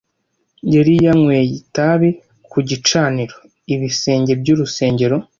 Yari yanyweye itabi ku gicaniro, ibisenge by'urusengero